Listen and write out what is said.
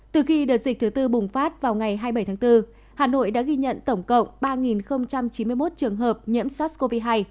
từ khi đợt dịch thứ tư bùng phát vào ngày hai mươi bảy tháng bốn hà nội đã ghi nhận tổng cộng ba chín mươi một trường hợp nhiễm sars cov hai